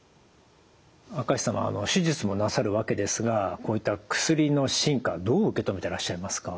明石さん手術もなさるわけですがこういった薬の進化どう受け止めてらっしゃいますか？